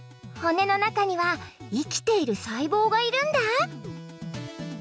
骨の中には生きている細胞がいるんだ！